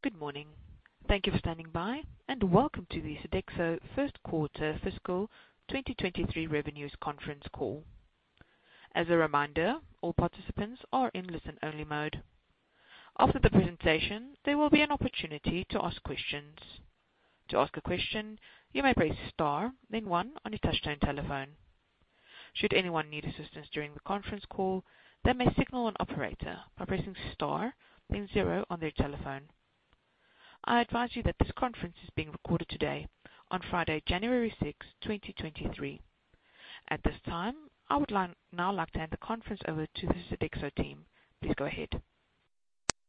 Good morning. Thank you for standing by and welcome to the Sodexo first quarter fiscal 2023 revenues conference call. As a reminder, all participants are in listen-only mode. After the presentation, there will be an opportunity to ask questions. To ask a question, you may press Star, then one on your touchtone telephone. Should anyone need assistance during the conference call, they may signal an operator by pressing Star, then zero on their telephone. I advise you that this conference is being recorded today on Friday, January 6, 2023. At this time, I now like to hand the conference over to the Sodexo team. Please go ahead.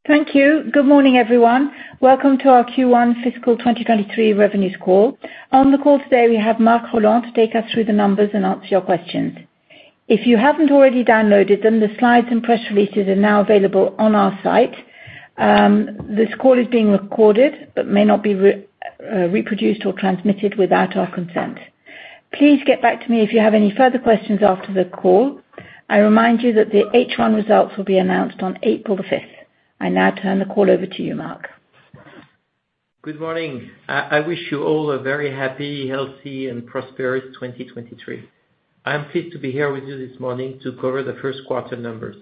Thank you. Good morning, everyone. Welcome to our Q1 fiscal 2023 revenues call. On the call today, we have Marc Rolland to take us through the numbers and answer your questions. If you haven't already downloaded them, the slides and press releases are now available on our site. This call is being recorded, but may not be reproduced or transmitted without our consent. Please get back to me if you have any further questions after the call. I remind you that the H1 results will be announced on April the 5th. I now turn the call over to you, Marc. Good morning. I wish you all a very happy, healthy, and prosperous 2023. I am pleased to be here with you this morning to cover the first quarter numbers.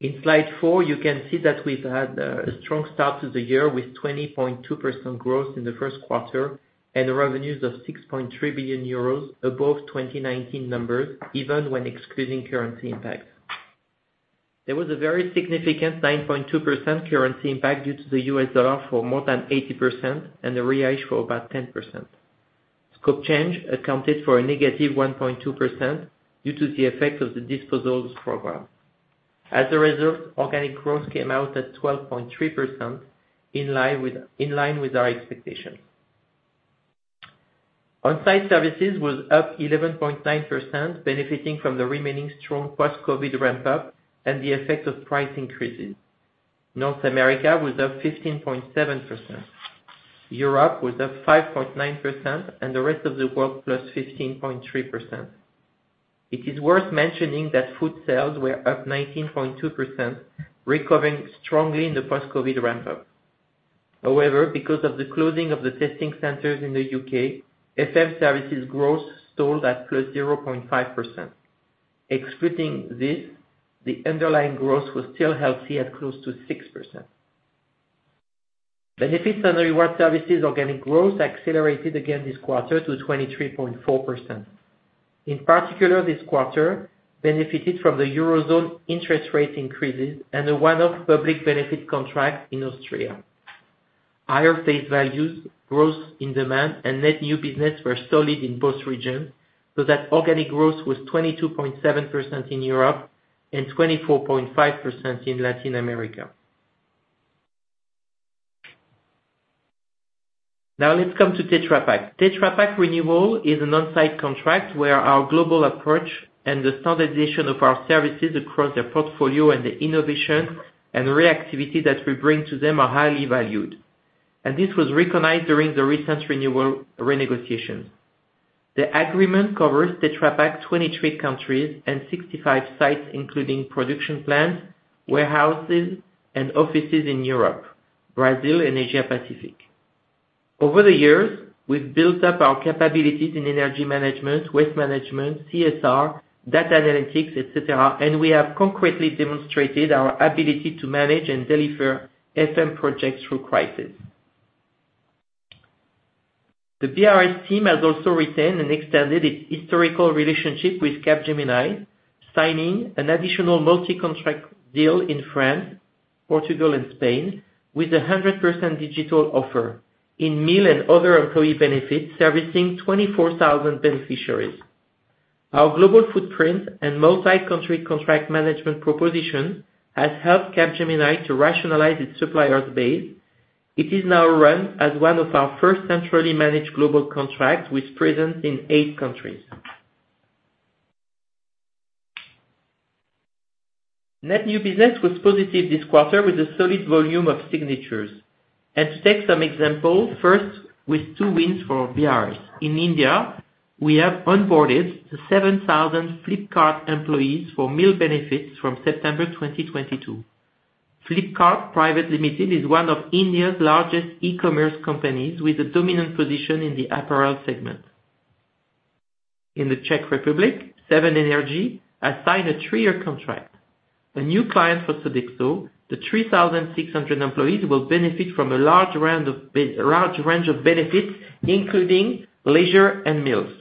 In slide 4, you can see that we've had a strong start to the year with 20.2% growth in the first quarter and revenues of 63 billion euros above 2019 numbers, even when excluding currency impacts. There was a very significant 9.2% currency impact due to the US dollar for more than 80% and the reais for about 10%. Scope change accounted for a negative 1.2% due to the effect of the disposals program. As a result, organic growth came out at 12.3% in line with our expectations. On-site services was up 11.9%, benefiting from the remaining strong post-COVID ramp-up and the effect of price increases. North America was up 15.7%. Europe was up 5.9%. The rest of the world plus 15.3%. It is worth mentioning that food sales were up 19.2%, recovering strongly in the post-COVID ramp-up. Because of the closing of the testing centers in the UK, FM services growth stalled at +0.5%. Excluding this, the underlying growth was still healthy at close to 6%. Benefits and reward services organic growth accelerated again this quarter to 23.4%. This quarter benefited from the Eurozone interest rate increases and a one-off public benefit contract in Australia. Higher face values, growth in demand, and net new business were solid in both regions, so that organic growth was 22.7% in Europe and 24.5% in Latin America. Let's come to Tetra Pak. Tetra Pak renewal is an on-site contract where our global approach and the standardization of our services across their portfolio and the innovation and reactivity that we bring to them are highly valued. This was recognized during the recent renewal renegotiation. The agreement covers Tetra Pak 23 countries and 65 sites, including production plants, warehouses, and offices in Europe, Brazil, and Asia Pacific. Over the years, we've built up our capabilities in energy management, waste management, CSR, data analytics, et cetera, and we have concretely demonstrated our ability to manage and deliver FM projects through crisis. The BRS team has also retained and extended its historical relationship with Capgemini, signing an additional multi-contract deal in France, Portugal, and Spain with a 100% digital offer in meal and other employee benefits, servicing 24,000 beneficiaries. Our global footprint and multi-country contract management proposition has helped Capgemini to rationalize its suppliers base. It is now run as one of our first centrally managed global contracts, with presence in eight countries. To take some examples, first, with two wins for BRS. In India, we have onboarded the 7,000 Flipkart employees for meal benefits from September 2022. Flipkart Private Limited is one of India's largest e-commerce companies with a dominant position in the apparel segment. In the Czech Republic, Sev.en Energy has signed a three-year contract. A new client for Sodexo, the 3,600 employees will benefit from a large range of benefits, including leisure and meals.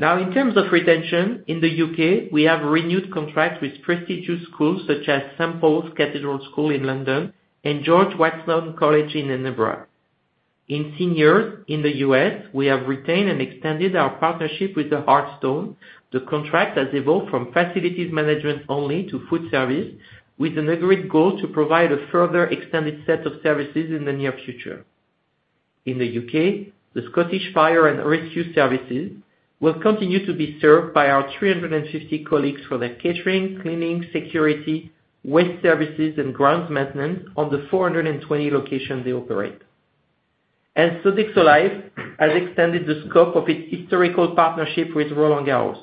In terms of retention, in the U.K. we have renewed contracts with prestigious schools such as St. Paul's Cathedral School in London and George Watson's College in Edinburgh. In seniors in the U.S. we have retained and extended our partnership with The Hearthstone. The contract has evolved from facilities management only to food service, with an agreed goal to provide a further extended set of services in the near future. In the U.K. The Scottish Fire and Rescue Service will continue to be served by our 350 colleagues for their catering, cleaning, security, waste services, and grounds maintenance on the 420 locations they operate. Sodexo Live! has extended the scope of its historical partnership with Roland-Garros.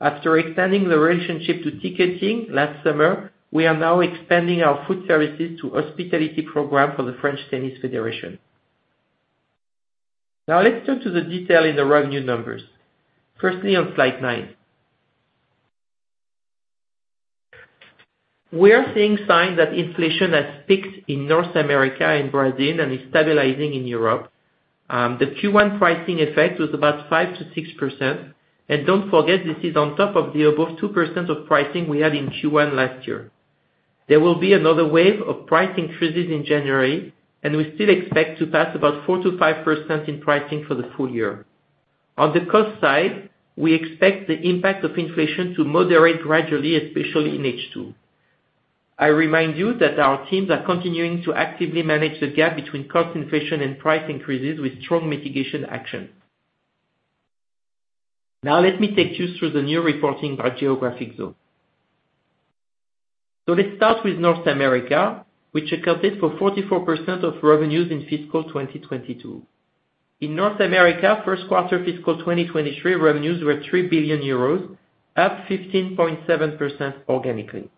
After extending the relationship to ticketing last summer, we are now expanding our food services to hospitality program for the French Tennis Federation. Let's turn to the detail in the revenue numbers. Firstly, on slide 9. We are seeing signs that inflation has peaked in North America and Brazil and is stabilizing in Europe. The Q1 pricing effect was about 5%-6%. Don't forget, this is on top of the above 2% of pricing we had in Q1 last year. There will be another wave of price increases in January, and we still expect to pass about 4%-5% in pricing for the full year. On the cost side, we expect the impact of inflation to moderate gradually, especially in H2. I remind you that our teams are continuing to actively manage the gap between cost inflation and price increases with strong mitigation action. Now let me take you through the new reporting by geographic zone. Let's start with North America, which accounted for 44% of revenues in fiscal 2022. In North America, first quarter fiscal 2023 revenues were 3 billion euros, up 15.7% organically.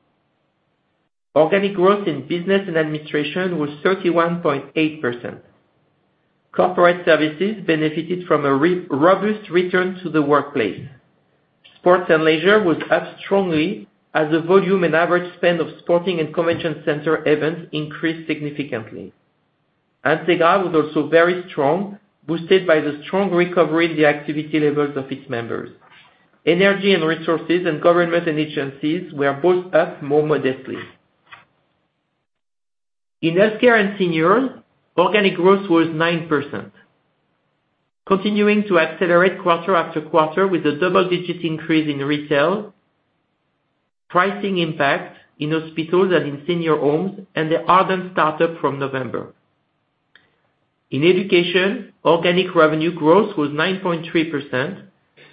Organic growth in business and administration was 31.8%. Corporate services benefited from a robust return to the workplace. Sports & Leisure was up strongly as the volume and average spend of sporting and convention center events increased significantly. Entegra was also very strong, boosted by the strong recovery in the activity levels of its members. Energy and resources and government and agencies were both up more modestly. In healthcare and senior, organic growth was 9%, continuing to accelerate quarter after quarter with a double-digit increase in retail, pricing impact in hospitals and in senior homes, and the Ardent startup from November. In education, organic revenue growth was 9.3%,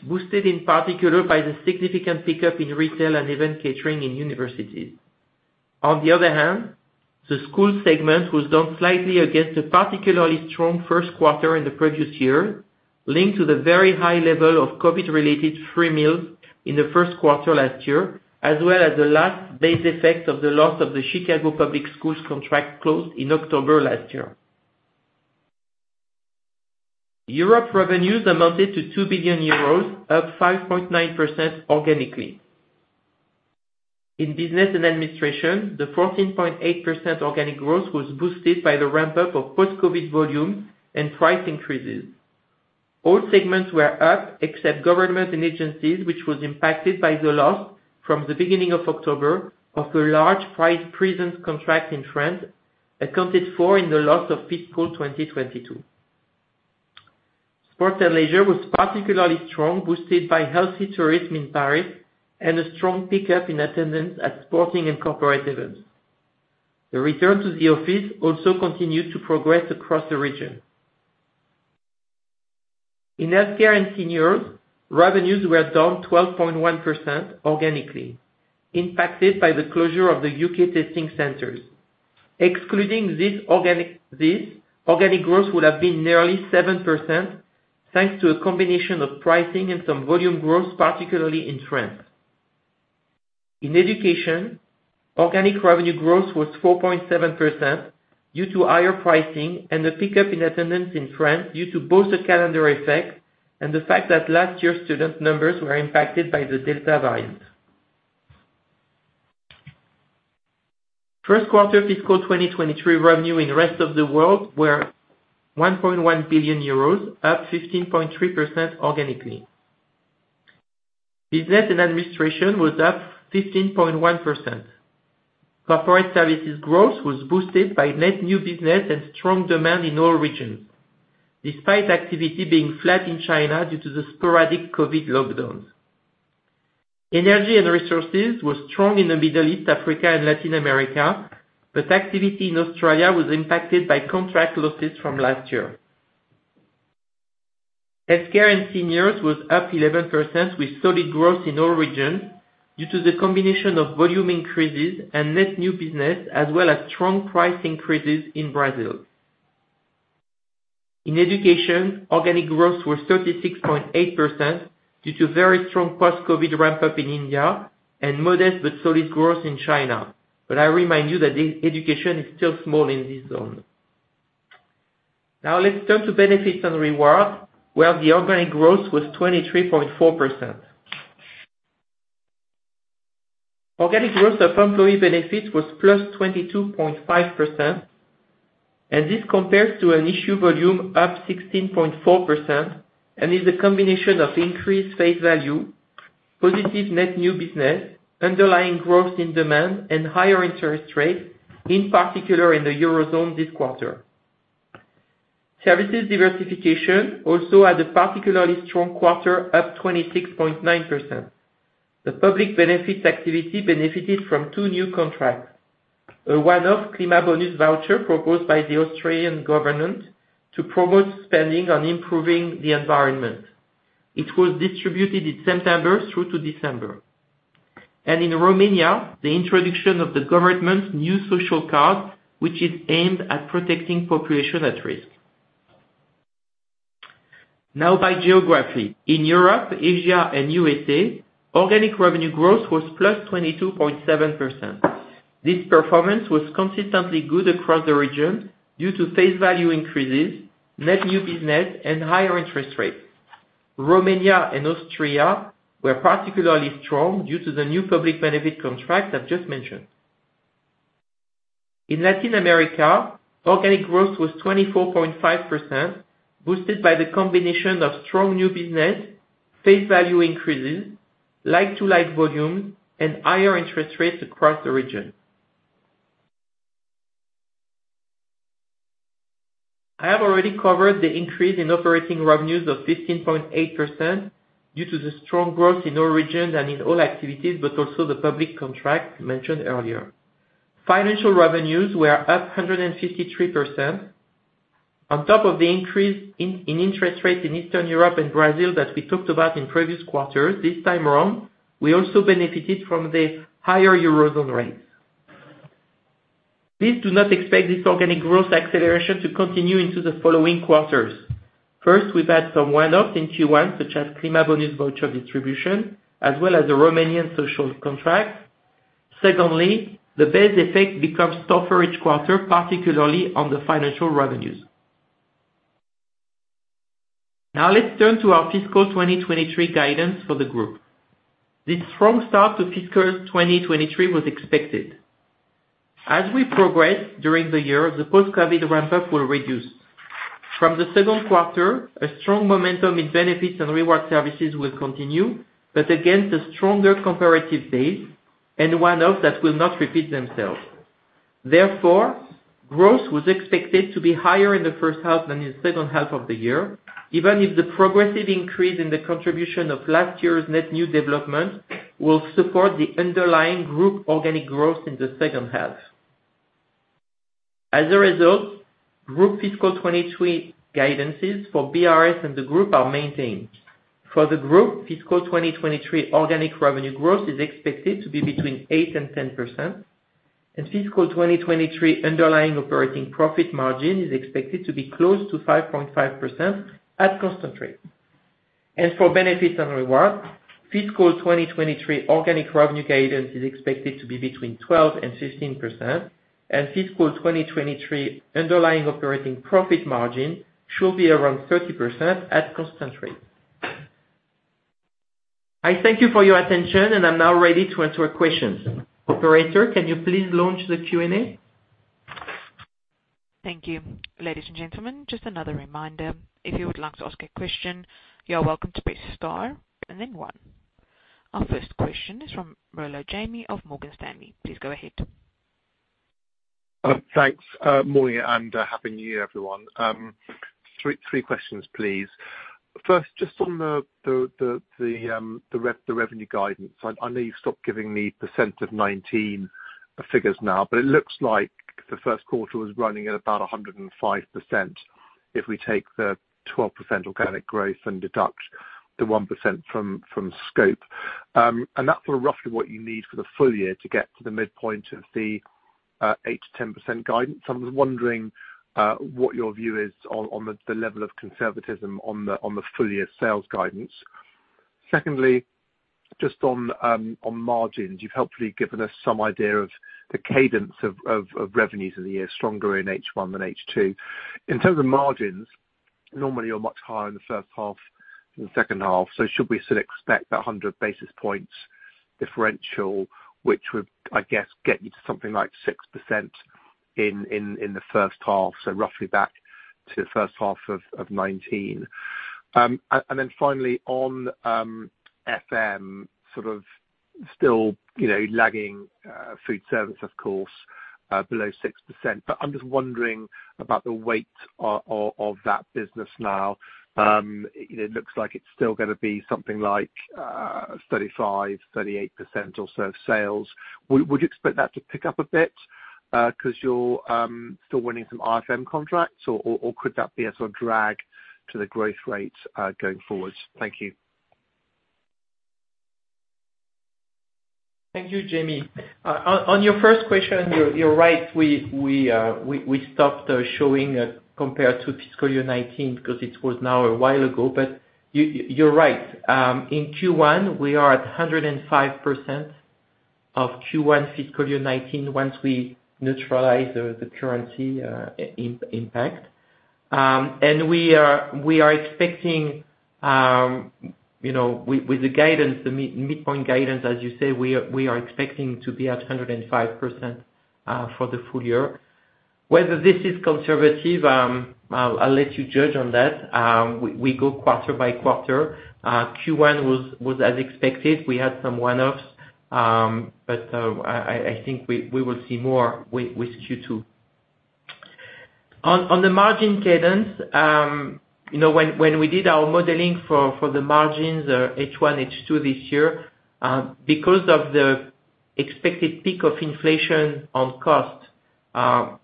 boosted in particular by the significant pickup in retail and event catering in universities. On the other hand, the school segment was down slightly against a particularly strong first quarter in the previous year, linked to the very high level of COVID-related free meals in the first quarter last year, as well as the last base effect of the loss of the Chicago Public Schools contract closed in October last year. Europe revenues amounted to 2 billion euros, up 5.9% organically. In business and administration, the 14.8% organic growth was boosted by the ramp-up of post-COVID volumes and price increases. All segments were up except government and agencies, which was impacted by the loss from the beginning of October of a large French prison contract in France, accounted for in the loss of fiscal 2022. Sports & Leisure was particularly strong, boosted by healthy tourism in Paris and a strong pickup in attendance at sporting and corporate events. The return to the office also continued to progress across the region. In healthcare and seniors, revenues were down 12.1% organically, impacted by the closure of the U.K. testing centers. Excluding this organic growth would have been nearly 7%, thanks to a combination of pricing and some volume growth, particularly in France. In education, organic revenue growth was 4.7% due to higher pricing and a pickup in attendance in France due to both the calendar effect and the fact that last year's student numbers were impacted by the Delta variant. First quarter fiscal 2023 revenue in the rest of the world were 1.1 billion euros, up 15.3% organically. Business and administration was up 15.1%. Corporate services growth was boosted by net new business and strong demand in all regions, despite activity being flat in China due to the sporadic COVID lockdowns. Energy and resources were strong in the Middle East, Africa, and Latin America, but activity in Australia was impacted by contract losses from last year. Healthcare and seniors was up 11% with solid growth in all regions due to the combination of volume increases and net new business as well as strong price increases in Brazil. In education, organic growth was 36.8% due to very strong post-COVID ramp-up in India and modest but solid growth in China. I remind you that education is still small in this zone. Let's turn to benefits and reward, where the organic growth was 23.4%. Organic growth of employee benefits was +22.5%, and this compares to an issue volume up 16.4% and is a combination of increased face value, positive net new business, underlying growth in demand, and higher interest rates, in particular in the Eurozone this quarter. Services diversification also had a particularly strong quarter, up 26.9%. The public benefits activity benefited from two new contracts, a one-off Klimabonus voucher proposed by the Austrian government to promote spending on improving the environment. It was distributed in September through to December. In Romania, the introduction of the government's new social card, which is aimed at protecting population at risk. Now, by geography. In Europe, Asia and USA, organic revenue growth was +22.7%. This performance was consistently good across the region due to face value increases, net new business and higher interest rates. Romania and Austria were particularly strong due to the new public benefit contract I've just mentioned. In Latin America, organic growth was 24.5%, boosted by the combination of strong new business, face value increases, like-to-like volumes and higher interest rates across the region. I have already covered the increase in operating revenues of 15.8% due to the strong growth in all regions and in all activities, but also the public contract mentioned earlier. Financial revenues were up 153%. On top of the increase in interest rates in Eastern Europe and Brazil that we talked about in previous quarters, this time around, we also benefited from the higher eurozone rates. Please do not expect this organic growth acceleration to continue into the following quarters. First, we've had some one-offs in Q1, such as Klimabonus voucher distribution, as well as the Romanian social contract. Secondly, the base effect becomes tougher each quarter, particularly on the financial revenues. Now let's turn to our fiscal 2023 guidance for the group. This strong start to fiscal 2023 was expected. As we progress during the year, the post-COVID ramp-up will reduce. From the second quarter, a strong momentum in benefits and reward services will continue, but against a stronger comparative base and one-off that will not repeat themselves. Therefore, growth was expected to be higher in the first half than in the second half of the year, even if the progressive increase in the contribution of last year's net new development will support the underlying group organic growth in the second half. As a result, group fiscal 2023 guidances for BRS and the group are maintained. For the group, fiscal 2023 organic revenue growth is expected to be between 8% and 10%, and fiscal 2023 underlying operating profit margin is expected to be close to 5.5% at constant rate. For Benefits and Reward, fiscal 2023 organic revenue guidance is expected to be between 12% and 15%. Fiscal 2023 underlying operating profit margin should be around 30% at constant rate. I thank you for your attention, and I'm now ready to answer questions. Operator, can you please launch the Q&A? Thank you. Ladies and gentlemen, just another reminder, if you would like to ask a question, you are welcome to press star and then one. Our first question is from Jamie Rollo of Morgan Stanley. Please go ahead. Thanks, Maureen, and a Happy New Year, everyone. Three questions, please. First, just on the revenue guidance. I know you've stopped giving the % of 19 figures now, but it looks like the first quarter was running at about 105% if we take the 12% organic growth and deduct the 1% from scope. That's sort of roughly what you need for the full year to get to the midpoint of the 8%-10% guidance. I was wondering what your view is on the level of conservatism on the full-year sales guidance. Secondly, just on margins. You've helpfully given us some idea of the cadence of revenues in the year, stronger in H1 than H2. In terms of margins, normally you're much higher in the first half than the second half, should we still expect that 100 basis points differential which would, I guess, get you to something like 6% in the first half, so roughly back to the first half of 2019. Finally on FM, sort of still lagging food service, of course, below 6%. I'm just wondering about the weight of that business now. It looks like it's still gonna be something like 35%-38% or so of sales. Would you expect that to pick up a bit 'cause you're still winning some RFM contracts or could that be a sort of drag to the growth rate going forward? Thank you. Thank you, Jamie. On your first question, you're right. We stopped showing compared to fiscal year 2019 because it was now a while ago. You're right. In Q1, we are at 105% of Q1 fiscal year 2019 once we neutralize the currency impact. We are expecting, you know, with the guidance, the midpoint guidance, as you say, we are expecting to be at 105% for the full year. Whether this is conservative, I'll let you judge on that. We go quarter by quarter. Q1 was as expected. We had some one-offs, but I think we will see more with Q2. On the margin cadence, you know, when we did our modeling for the margins, H1, H2 this year, because of the expected peak of inflation on cost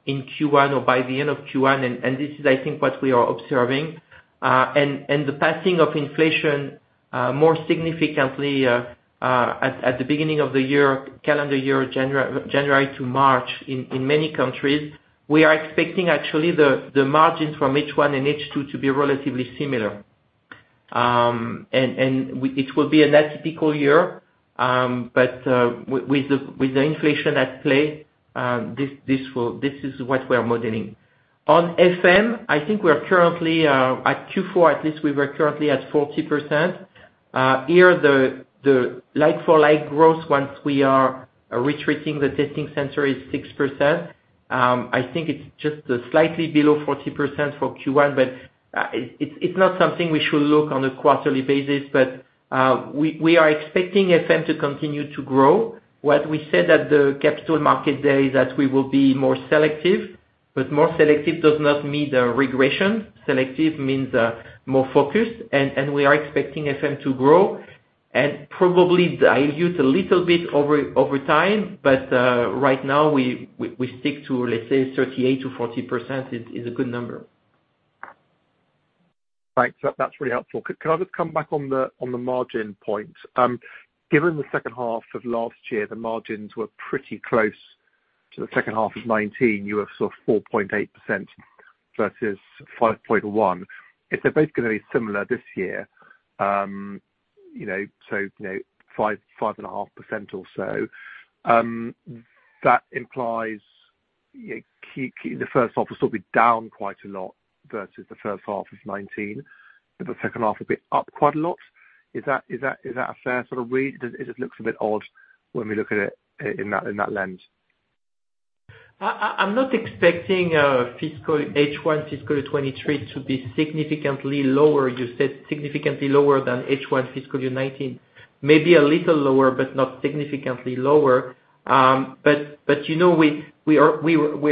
in Q1 or by the end of Q1, this is I think what we are observing. The passing of inflation more significantly at the beginning of the year, calendar year, January to March in many countries, we are expecting actually the margins from H1 and H2 to be relatively similar. It will be an atypical year, but with the inflation at play, this is what we are modeling. On FM, I think we are currently at Q4, at least we were currently at 40%. Here the like-for-like growth once we are retracing the testing center is 6%. I think it's just slightly below 40% for Q1. It's not something we should look on a quarterly basis. We are expecting FM to continue to grow. What we said at the capital market day is that we will be more selective, but more selective does not mean a regression. Selective means more focused and we are expecting FM to grow and probably dilute a little bit over time. Right now we stick to, let's say 38%-40% is a good number. Right. That's really helpful. Can I just come back on the, on the margin point? Given the second half of last year, the margins were pretty close to the second half of 2019. You have sort of 4.8% versus 5.1%. If they're both gonna be similar this year, you know, so, you know, 5.5% or so, that implies key in the first half will still be down quite a lot versus the first half of 2019. The second half will be up quite a lot. Is that a fair sort of read? It just looks a bit odd when we look at it in that lens. I'm not expecting fiscal H1 fiscal 2023 to be significantly lower. You said significantly lower than H1 fiscal 2019. Maybe a little lower, but not significantly lower. You know, we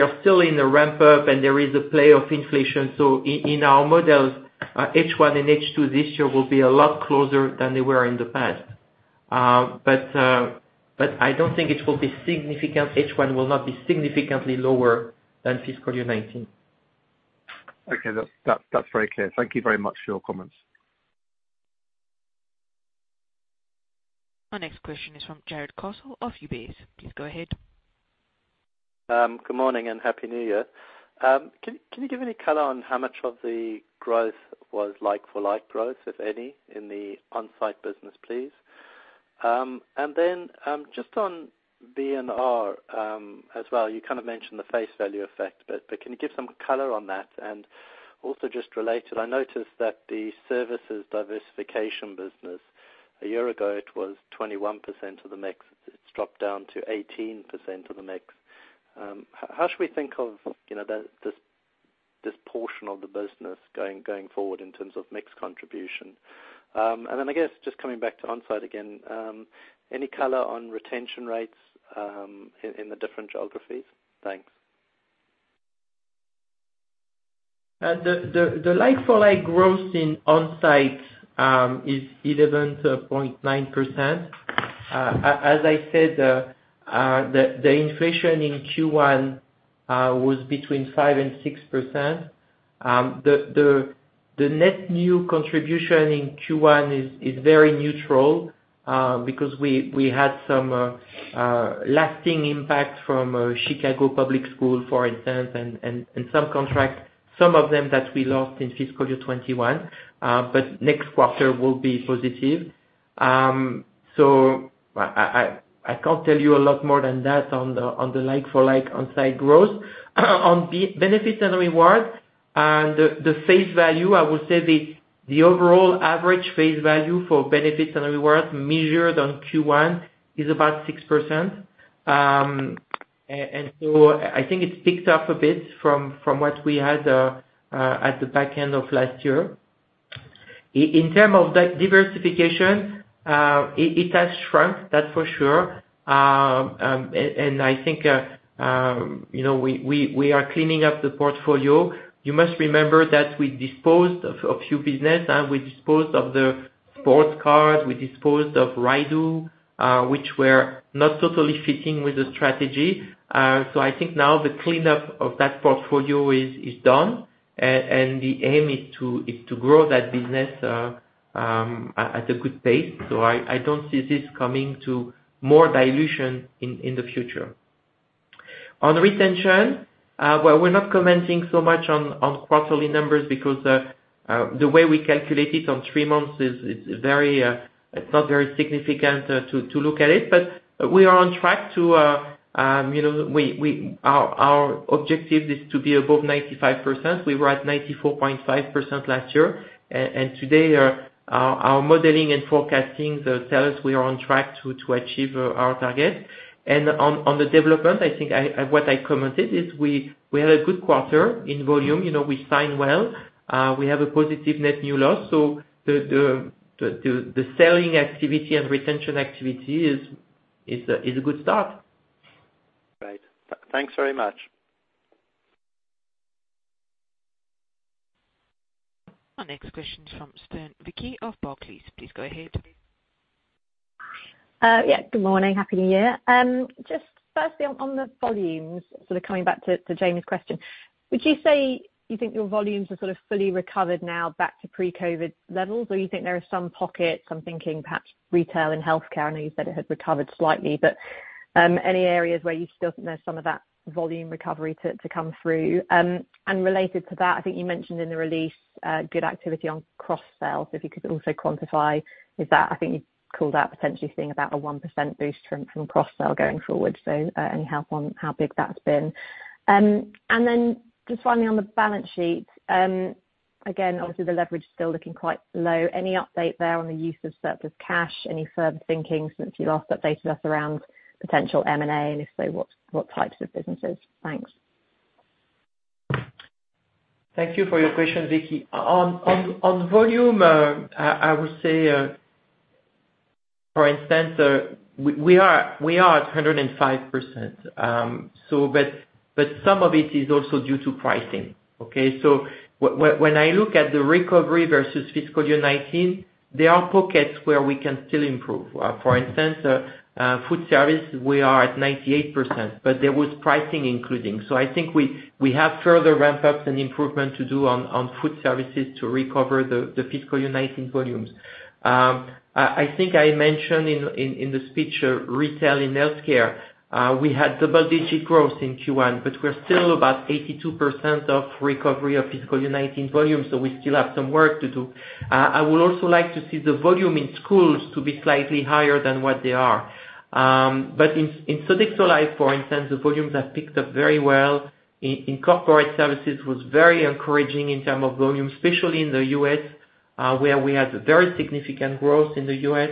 are still in a ramp up and there is a play of inflation. In our models, H1 and H2 this year will be a lot closer than they were in the past. I don't think it will be significant. H1 will not be significantly lower than fiscal year 2019. Okay. That's very clear. Thank you very much for your comments. Our next question is from Jarrod Castle of UBS. Please go ahead. Good morning and happy new year. Can you give any color on how much of the growth was like for like growth, if any, in the onsite business, please? Just on BNR as well, you kind of mentioned the face value effect, but can you give some color on that? Just related, I noticed that the services diversification business, a year ago, it was 21% of the mix. It's dropped down to 18% of the mix. How should we think of, you know, this portion of the business going forward in terms of mix contribution? I guess just coming back to onsite again, any color on retention rates in the different geographies? Thanks. The like for like growth in onsite is 11.9%. As I said, the inflation in Q1 was between 5% and 6%. The net new contribution in Q1 is very neutral because we had some lasting impact from Chicago Public Schools, for instance, and some contracts, some of them that we lost in fiscal year 2021. Next quarter will be positive. I can't tell you a lot more than that on the like for like on-site growth. On Benefits and Rewards and the face value, I would say the overall average face value for Benefits and Rewards measured on Q1 is about 6%. I think it's ticked up a bit from what we had at the back end of last year. In term of the diversification, it has shrunk, that's for sure. I think, you know, we are cleaning up the portfolio. You must remember that we disposed of a few business and we disposed of the sports cars, we disposed of Rideau, which were not totally fitting with the strategy. I think now the cleanup of that portfolio is done. The aim is to grow that business at a good pace. I don't see this coming to more dilution in the future. On retention, well, we're not commenting so much on quarterly numbers because the way we calculate it on three months is very, it's not very significant to look at it. We are on track to, you know, our objective is to be above 95%. We were at 94.5% last year. Today our modeling and forecasting tell us we are on track to achieve our target. On the development, I think I, what I commented is we had a good quarter in volume. You know, we signed well. We have a positive net new loss. The selling activity and retention activity is a good start. Right. Thanks very much. Our next question's from Vicki Stern of Barclays. Please go ahead. Good morning. Happy New Year. Firstly on the volumes, coming back to Jamie's question, would you say you think your volumes are fully recovered now back to pre-COVID levels, or you think there are some pockets, I'm thinking perhaps retail and healthcare, I know you said it had recovered slightly, but any areas where you still think there's some of that volume recovery to come through? Related to that, I think you mentioned in the release, good activity on cross sales, if you could also quantify is that, I think you called out potentially seeing about a 1% boost from cross sale going forward, any help on how big that's been? Finally on the balance sheet, again, obviously the leverage is still looking quite low. Any update there on the use of surplus cash? Any further thinking since you last updated us around potential M&A, and if so, what types of businesses? Thanks. Thank you for your question, Vicky. On volume, I would say, for instance, we are at 105%, but some of it is also due to pricing, okay? When I look at the recovery versus fiscal year 2019, there are pockets where we can still improve. For instance, food service, we are at 98%, but there was pricing including. I think we have further ramp-ups and improvement to do on food services to recover the fiscal year 2019 volumes. I think I mentioned in the speech, retail and healthcare, we had double-digit growth in Q1, but we're still about 82% of recovery of fiscal year 2019 volumes. We still have some work to do. I would also like to see the volume in schools to be slightly higher than what they are. In Sodexo Live!, for instance, the volumes have picked up very well. In corporate services was very encouraging in term of volume, especially in the U.S., where we had very significant growth in the U.S.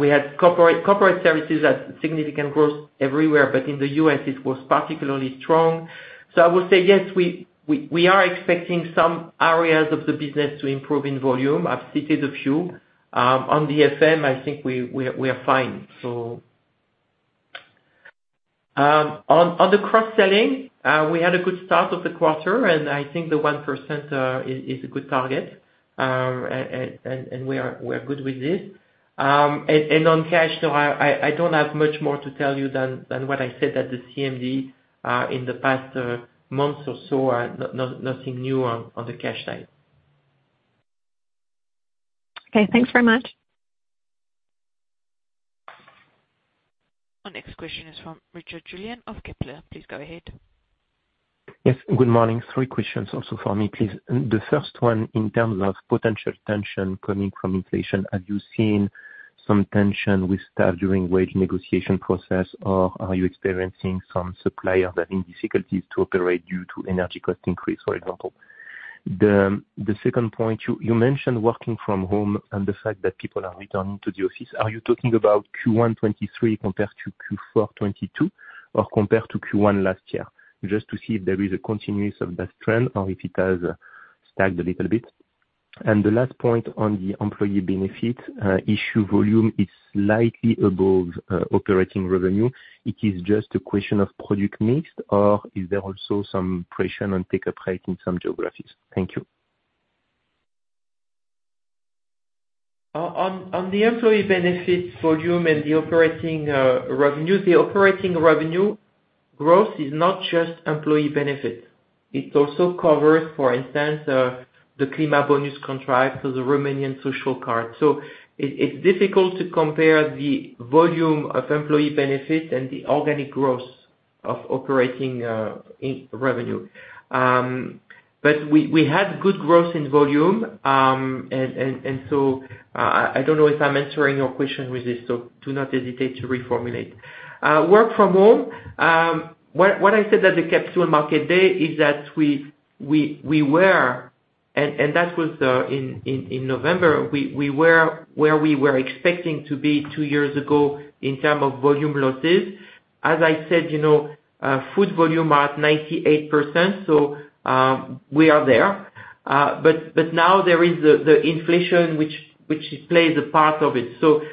We had corporate services had significant growth everywhere, in the U.S. it was particularly strong. I would say yes, we are expecting some areas of the business to improve in volume. I've cited a few. On the FM, I think we are fine. On the cross-selling, we had a good start of the quarter, I think the 1% is a good target. We are good with this. On cash flow, I don't have much more to tell you than what I said at the CMD, in the past, months or so. Nothing new on the cash side. Okay, thanks very much. Our next question is from Richer, Julien of Kepler. Please go ahead. Yes, good morning. Three questions also from me, please. The first one, in terms of potential tension coming from inflation, have you seen some tension with staff during wage negotiation process, or are you experiencing some supplier having difficulties to operate due to energy cost increase, for example? The second point, you mentioned working from home and the fact that people are returning to the office. Are you talking about Q1 2023 compared to Q4 2022, or compared to Q1 last year? Just to see if there is a continuance of that trend or if it has stalled a little bit. The last point on the employee benefit, issue volume is slightly above operating revenue. It is just a question of product mix or is there also some pressure on take-up rate in some geographies? Thank you. On the employee benefit volume and the operating revenue, the operating revenue growth is not just employee benefit. It also covers, for instance, the Klimabonus contract or the Romanian social card. It's difficult to compare the volume of employee benefit and the organic growth of operating in-revenue. We had good growth in volume, and so I don't know if I'm answering your question with this, do not hesitate to reformulate. Work from home. What I said at the Capital Market Day is that we were, and that was in November. We were where we were expecting to be two years ago in term of volume losses. As I said, you know, food volume are at 98%, we are there. But now there is the inflation which plays a part of it. We,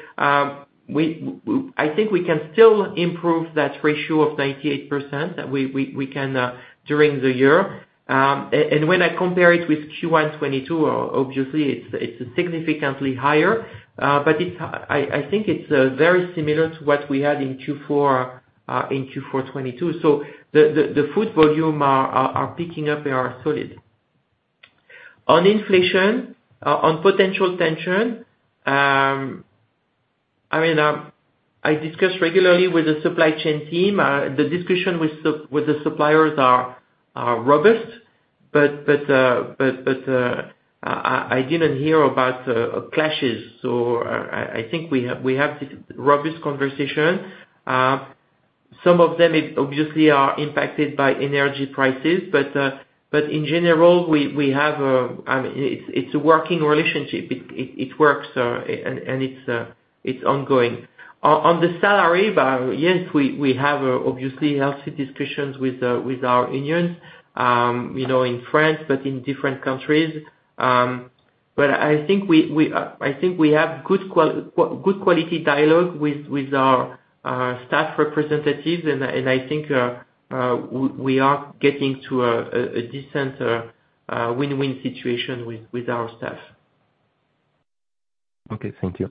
I think we can still improve that ratio of 98%, we can during the year. When I compare it with Q1 2022, obviously it's significantly higher, but I think it's very similar to what we had in Q4 2022. The food volume are picking up. They are solid. On inflation, on potential tension, I mean, I discuss regularly with the supply chain team. The discussion with the suppliers are robust, but I didn't hear about clashes. I think we have this robust conversation. Some of them is obviously are impacted by energy prices, but in general, we have a working relationship. It works, and it's ongoing. On the salary bar, yes, we have obviously healthy discussions with our unions, you know, in France, but in different countries. I think we have good quality dialogue with our staff representatives. I think we are getting to a decent win-win situation with our staff. Okay, thank you.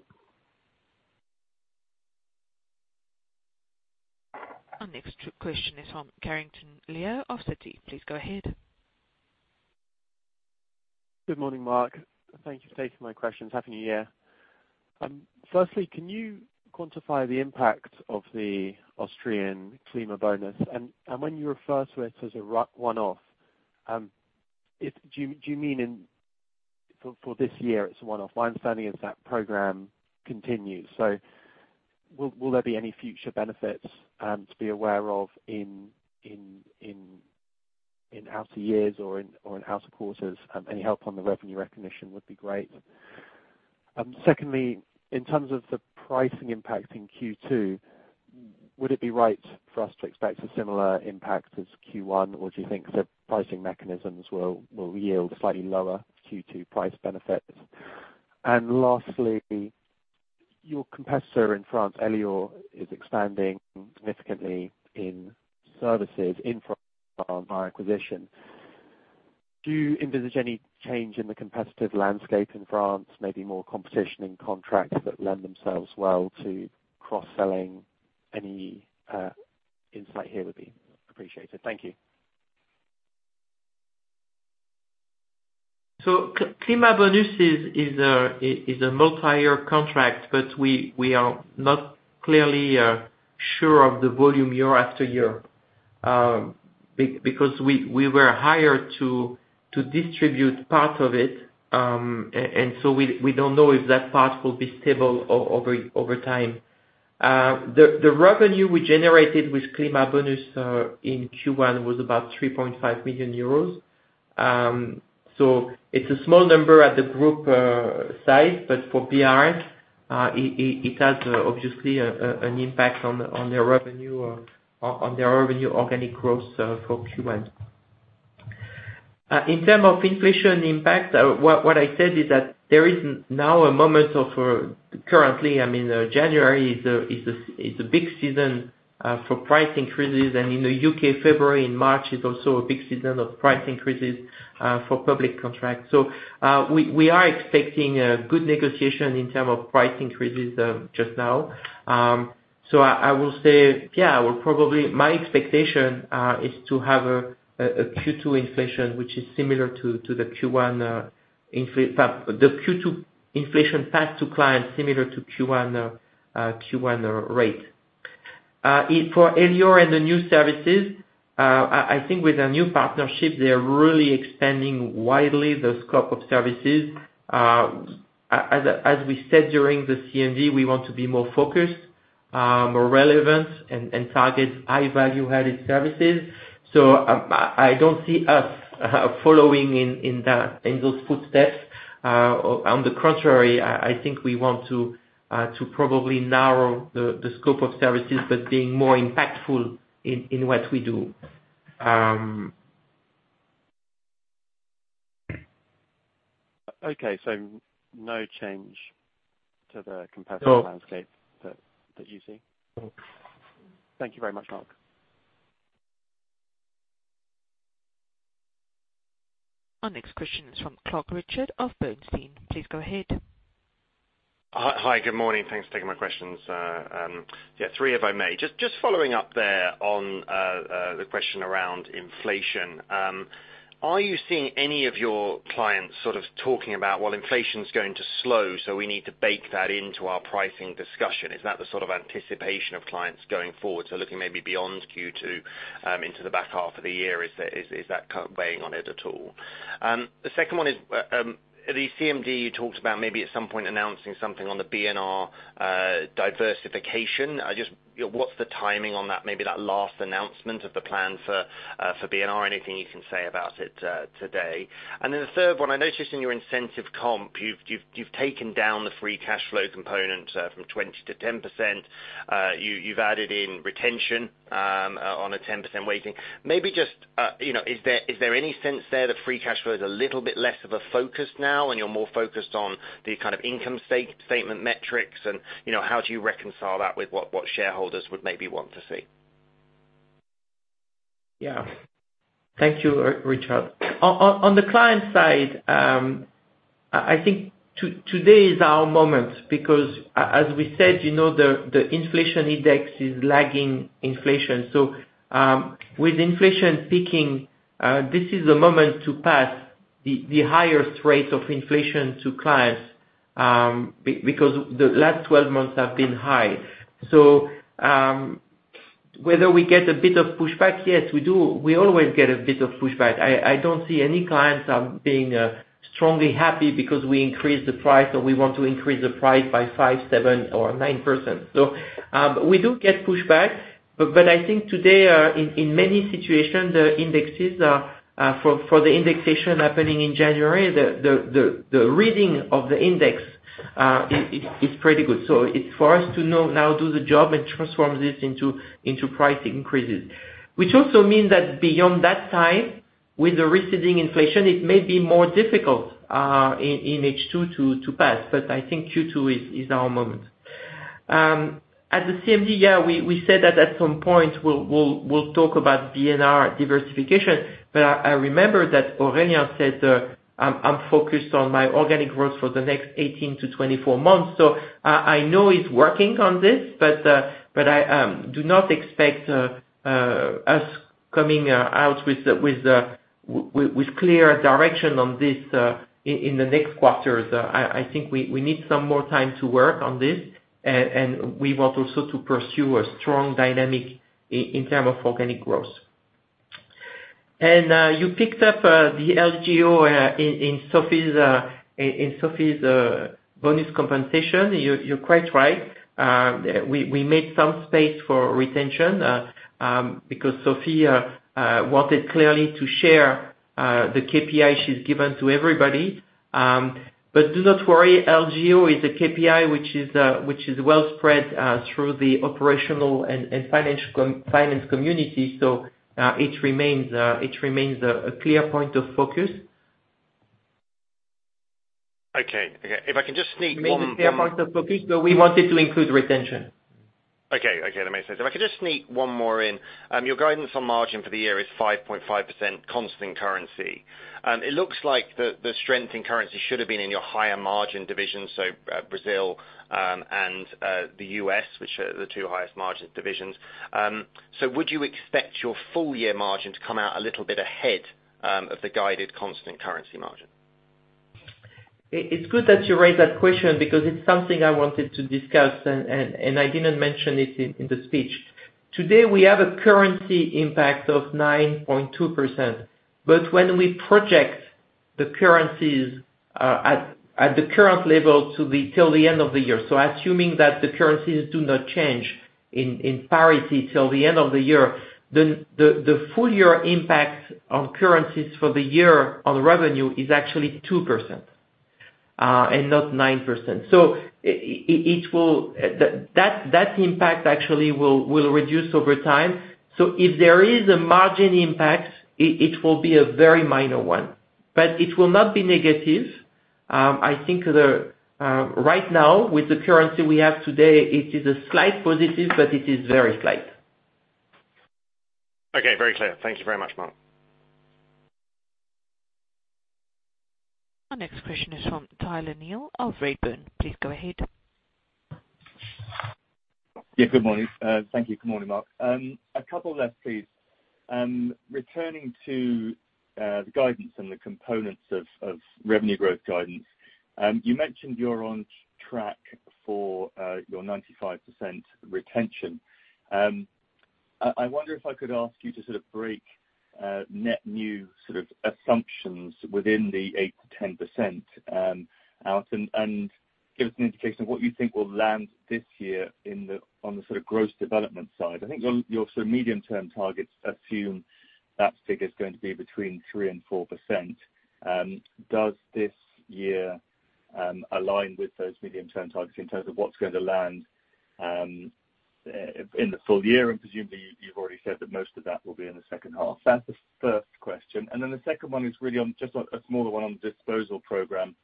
Our next question is from Carrington, Leo of Citi. Please go ahead. Good morning, Marc. Thank you for taking my questions. Happy New Year. Firstly, can you quantify the impact of the Austrian Klimabonus? When you refer to it as a one-off, do you mean for this year it's a one-off? My understanding is that program continues. Will there be any future benefits to be aware of in outer years or in outer quarters? Any help on the revenue recognition would be great. Secondly, in terms of the pricing impact in Q2, would it be right for us to expect a similar impact as Q1, or do you think the pricing mechanisms will yield slightly lower Q2 price benefits? Lastly, your competitor in France, Elior, is expanding significantly in services in France by acquisition. Do you envisage any change in the competitive landscape in France, maybe more competition in contracts that lend themselves well to cross-selling? Any insight here would be appreciated. Thank you. Klimabonus is a multi-year contract, but we are not clearly sure of the volume year after year. Because we were hired to distribute part of it, and so we don't know if that part will be stable over time. The revenue we generated with Klimabonus in Q1 was about 3.5 million euros. It's a small number at the group side, but for PRS, it has obviously an impact on the revenue organic growth for Q1. In terms of inflation impact, what I said is that there is now a moment of, currently, I mean, January is a big season for price increases. In the U.K., February and March is also a big season of price increases for public contracts. We are expecting a good negotiation in term of price increases just now. I will say, yeah, we're probably my expectation is to have a Q2 inflation which is similar to the Q1, the Q2 inflation passed to clients similar to Q1 rate. For Elior and the new services, I think with the new partnership, they're really expanding widely the scope of services. As we said during the CMD, we want to be more focused, more relevant and target high value-added services. I don't see us following in that, in those footsteps. On the contrary, I think we want to probably narrow the scope of services, but being more impactful in what we do. Okay, no change to the competitive landscape. No. that you see? No. Thank you very much, Marc. Our next question is from Clarke, Richard of Bernstein. Please go ahead. Hi. Good morning. Thanks for taking my questions. Yeah, three, if I may. Just following up there on the question around inflation. Are you seeing any of your clients sort of talking about, "Well, inflation's going to slow, so we need to bake that into our pricing discussion"? Is that the sort of anticipation of clients going forward? Looking maybe beyond Q2 into the back half of the year, is that kind of weighing on it at all? The second one is the CMD you talked about maybe at some point announcing something on the BNR diversification. Just, you know, what's the timing on that, maybe that last announcement of the plan for BNR? Anything you can say about it today? The third one, I noticed in your incentive comp, you've taken down the free cash flow component, from 20% to 10%. You've added in retention, on a 10% weighting. Maybe just, you know, is there any sense there that free cash flow is a little bit less of a focus now, and you're more focused on the kind of income statement metrics? You know, how do you reconcile that with what shareholders would maybe want to see? Yeah. Thank you, Richard. On the client side, I think today is our moment because as we said, you know, the inflation index is lagging inflation. With inflation peaking, this is the moment to pass the highest rate of inflation to clients because the last 12 months have been high. Whether we get a bit of pushback, yes, we do. We always get a bit of pushback. I don't see any clients being strongly happy because we increased the price or we want to increase the price by 5%, 7% or 9%. We do get pushback, but I think today, in many situations, the indexes for the indexation happening in January, the reading of the index, it's pretty good. It's for us to know now do the job and transform this into price increases. Which also mean that beyond that time, with the receding inflation, it may be more difficult in H2 to pass. I think Q2 is our moment. At the CMD, yeah, we said that at some point we'll talk about BNR diversification. I remember that Aurelien said, "I'm focused on my organic growth for the next 18 to 24 months." I know he's working on this, but I do not expect us coming out with clear direction on this in the next quarters. I think we need some more time to work on this, and we want also to pursue a strong dynamic in term of organic growth. You picked up the LGO in Sophie's bonus compensation. You're quite right. We made some space for retention because Sophie wanted clearly to share the KPI she's given to everybody. Do not worry, LGO is a KPI which is well spread through the operational and financial community. It remains a clear point of focus. Okay, if I can just sneak one- It remains a clear point of focus, but we wanted to include retention. that makes sense. If I could just sneak one more in. Your guidance on margin for the year is 5.5% constant currency. It looks like the strength in currency should have been in your higher margin division, so Brazil and the U.S., which are the two highest margin divisions. Would you expect your full year margin to come out a little bit ahead of the guided constant currency margin? It's good that you raise that question because it's something I wanted to discuss and I didn't mention it in the speech. Today we have a currency impact of 9.2%, but when we project the currencies at the current level to the till the end of the year. Assuming that the currencies do not change in parity till the end of the year, the full year impact on currencies for the year on revenue is actually 2% and not 9%. That impact actually will reduce over time. If there is a margin impact, it will be a very minor one, but it will not be negative. I think the right now with the currency we have today, it is a slight positive, but it is very slight. Okay. Very clear. Thank you very much, Marc. Our next question is from Tyler, Neil of Redburn Atlantic. Please go ahead. Yeah, good morning. Thank you. Good morning, Marc. A couple left, please. Returning to the guidance and the components of revenue growth guidance, you mentioned you're on track for your 95% retention. I wonder if I could ask you to sort of break net new sort of assumptions within the 8%-10% out and give us an indication of what you think will land this year on the sort of growth development side. I think your sort of medium-term targets assume that figure is going to be between 3% and 4%. Does this year align with those medium-term targets in terms of what's going to land in the full year? Presumably you've already said that most of that will be in the second half. That's the first question. Then the second one is really on... just a smaller one on the disposal program.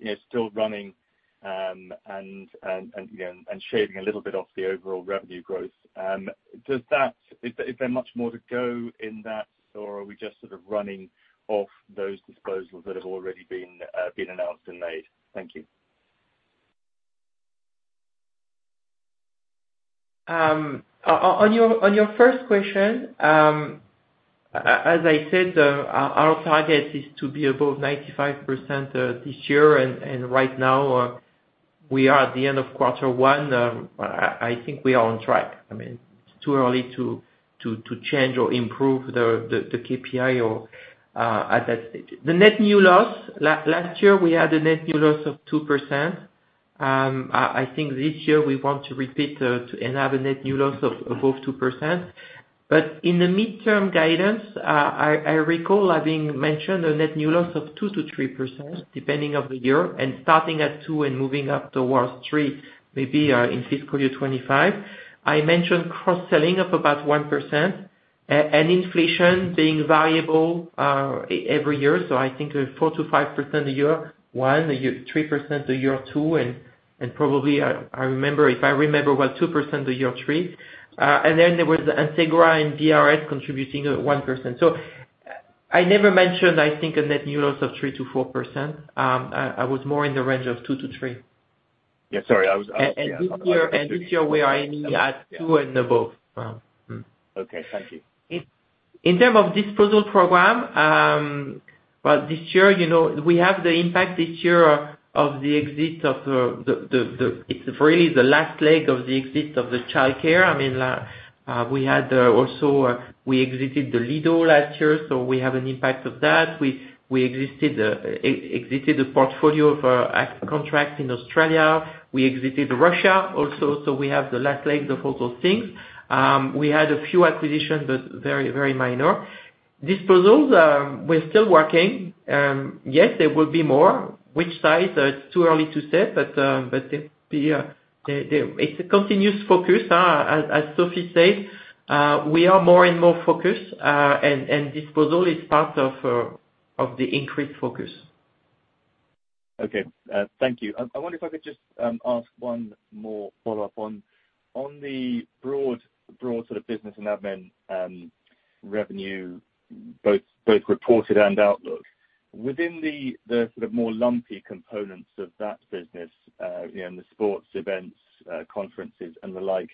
It's still running, and, you know, and shaving a little bit off the overall revenue growth. Is there much more to go in that, or are we just sort of running off those disposals that have already been announced and made? Thank you. On your first question, as I said, our target is to be above 95% this year, and right now, we are at the end of quarter one. I think we are on track. I mean, it's too early to change or improve the KPI or at that stage. The net new loss, last year we had a net new loss of 2%. I think this year we want to repeat and have a net new loss of above 2%. In the midterm guidance, I recall having mentioned a net new loss of 2%-3% depending of the year, and starting at 2% and moving up towards 3%, maybe, in fiscal year 2025. I mentioned cross-selling of about 1%, and inflation being variable every year, so I think 4%-5% a year 1, 3% a year 2 and probably, I remember, if I remember well, 2% a year 3. Then there was the Entegra and DRS contributing 1%. I never mentioned, I think, a net new loss of 3%-4%. I was more in the range of 2%-3%. Yeah, sorry. This year we are aiming at two and above. Okay, thank you. In term of disposal program, well, this year, you know, we have the impact this year of the exit of the last leg of the exit of the childcare. I mean, we had also we exited Le Lido last year, so we have an impact of that. We exited a portfolio of contracts in Australia. We exited Russia also, so we have the last leg of all those things. We had a few acquisitions, but very, very minor. Disposals, we're still working. Yes, there will be more. Which sites, it's too early to say, but it's a continuous focus, as Sophie said. We are more and more focused, and disposal is part of the increased focus. Okay. Thank you. I wonder if I could just ask one more follow-up on the broad sort of business and admin revenue, both reported and outlook. Within the sort of more lumpy components of that business, you know, in the sports events, conferences and the like,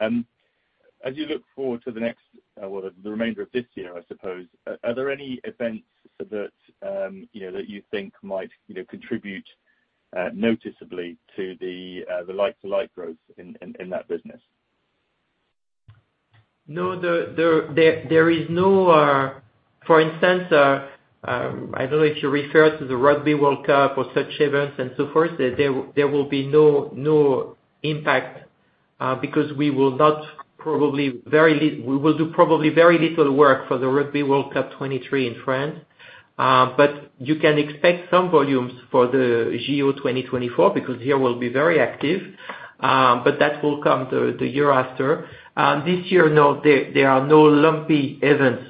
as you look forward to the next, well, the remainder of this year, I suppose, are there any events that, you know, that you think might, you know, contribute noticeably to the like-to-like growth in that business? No, there is no. For instance, I don't know if you refer to the Rugby World Cup or such events and so forth. There will be no impact because we will not probably very little work for the Rugby World Cup 2023 in France. You can expect some volumes for the JO 2024, because Geo will be very active. That will come the year after. This year, no, there are no lumpy events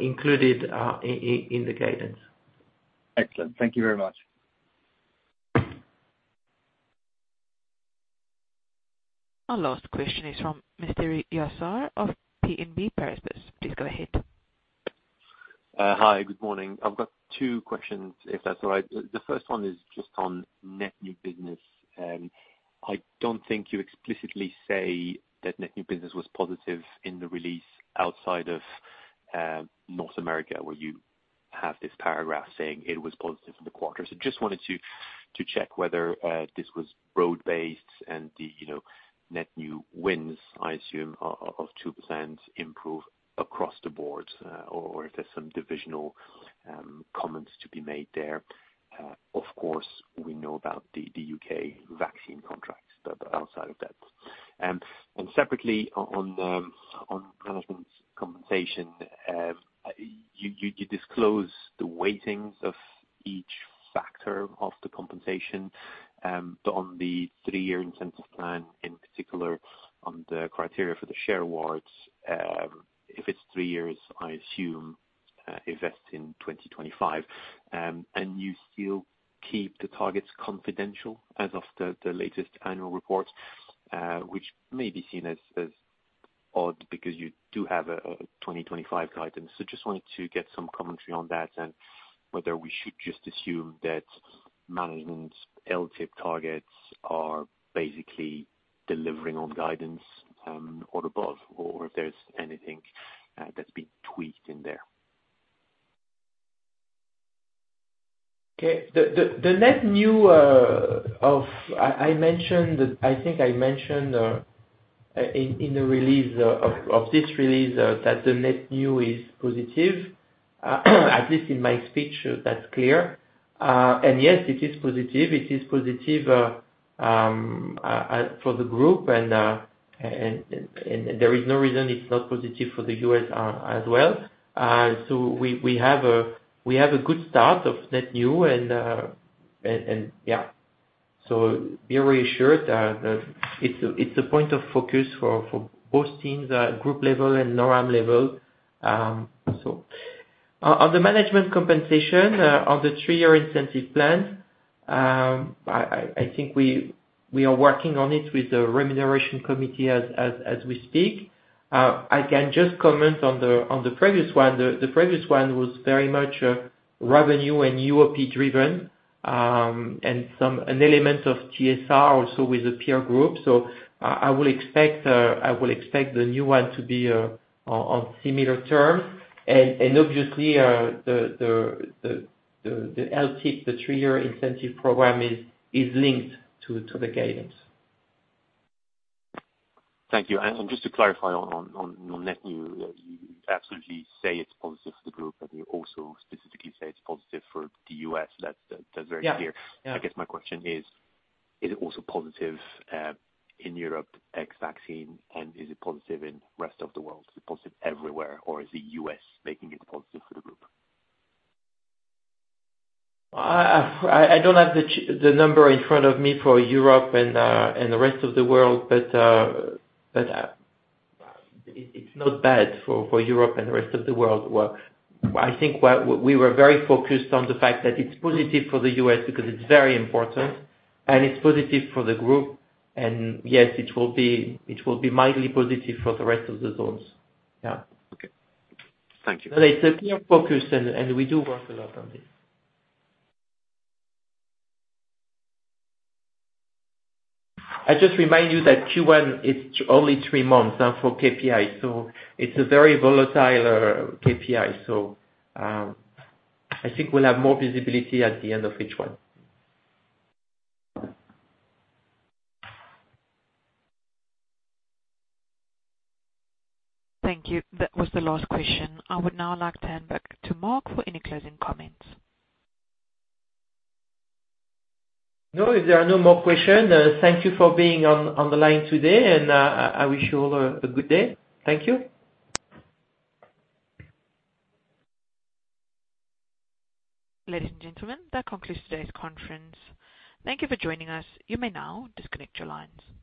included in the guidance. Excellent. Thank you very much. Our last question is from Mr. Jaafar of BNP Paribas. Please go ahead. Hi. Good morning. I've got two Questions, if that's all right. The first one is just on net new business. I don't think you explicitly say that net new business was positive in the release outside of North America, where you have this paragraph saying it was positive for the quarter. Just wanted to check whether this was broad-based and the, you know, net new wins, I assume, of 2% improve across the boards, or if there's some divisional comments to be made there. Of course, we know about the U.K. vaccine contracts, but outside of that. Separately, on management's compensation, you disclose the weightings of each factor of the compensation, on the three-year incentive plan, in particular on the criteria for the share awards, if it's three years, I assume, it vests in 2025. You still keep the targets confidential as of the latest annual report, which may be seen as odd because you do have a 2025 guidance. Just wanted to get some commentary on that and whether we should just assume that management's LTIP targets are basically delivering on guidance, or above, or if there's anything that's been tweaked in there. Okay. The net new. I mentioned, I think I mentioned in the release of this release, that the net new is positive at least in my speech, that's clear. Yes, it is positive. It is positive for the group and there is no reason it's not positive for the U.S. as well. We have a good start of net new and yeah. Be reassured that it's a point of focus for both teams at group level and NORAM level. On the management compensation, on the three-year incentive plan, I think we are working on it with the remuneration committee as we speak. I can just comment on the previous one. The previous one was very much revenue and UOP driven, and an element of TSR also with the peer group. I will expect the new one to be on similar terms. Obviously, the LTIP, the three-year incentive program is linked to the guidance. Thank you. Just to clarify on net new, you absolutely say it's positive for the group, but you also specifically say it's positive for the U.S. That's very clear. Yeah. I guess my question is it also positive in Europe ex vaccine? Is it positive in rest of the world? Is it positive everywhere or is it U.S. making it positive for the group? I don't have the number in front of me for Europe and the rest of the world, but it's not bad for Europe and the rest of the world. We were very focused on the fact that it's positive for the U.S. because it's very important and it's positive for the group, and yes, it will be mildly positive for the rest of the zones. Yeah. Okay. Thank you. It's a clear focus and we do work a lot on this. I just remind you that Q1 is only three months for KPI, so it's a very volatile KPI. I think we'll have more visibility at the end of H1. Thank you. That was the last question. I would now like to hand back to Marc for any closing comments. No, if there are no more questions, thank you for being on the line today and I wish you all a good day. Thank you. Ladies and gentlemen, that concludes today's conference. Thank you for joining us. You may now disconnect your lines.